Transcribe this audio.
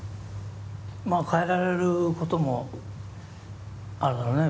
まあ変えられることもあるだろうね。